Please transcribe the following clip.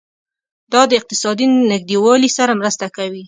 دا د اقتصادي نږدیوالي سره مرسته کوي.